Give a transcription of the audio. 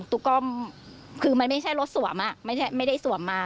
ตู้ก้อมคือมันไม่ใช่รถสวมไม่ได้สวมมา